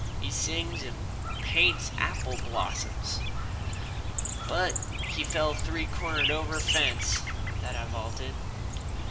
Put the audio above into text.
He sings and paints apple blossoms, but he fell three cornered over a fence that I vaulted.